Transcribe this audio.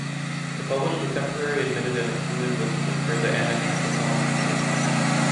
To publish the temporary admitted and excluded lists as per the Annex number one of this resolution.